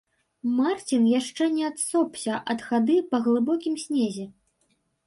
Марцін яшчэ не адсопся ад хады па глыбокім снезе.